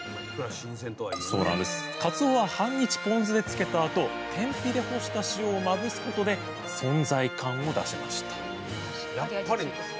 かつおは半日ポン酢で漬けたあと天日で干した塩をまぶすことで存在感を出しました。